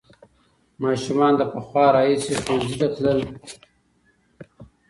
ماشومان له پخوا راهیسې ښوونځي ته تلل.